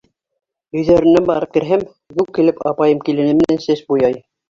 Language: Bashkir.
Өйҙәренә барып керһәм, геү килеп апайым килене менән сәс буяй.